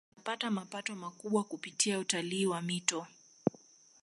Pia Serikali zinapata mapato makubwa kupitia utalii wa mito hii